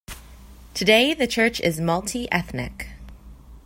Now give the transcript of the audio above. Today, the church is multi-ethnic.